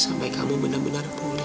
sampai kamu benar benar